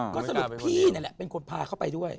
ก็สรุปพี่นี่แหละเป็นคนพาเขาไปด้วย